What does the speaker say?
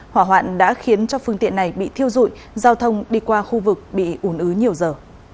hỏa hoạn đã khiến cho phương tiện này bị thiêu dụi giao thông đi qua khu vực bị ủn ứ nhiều giờ